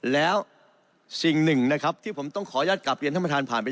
แล้วสิ่งหนึ่งนะครับที่ผมต้องขออนุญาตกลับเรียนท่านประธานผ่านไป